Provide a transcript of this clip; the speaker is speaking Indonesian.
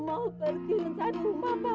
mengusir ratih dari rumahmu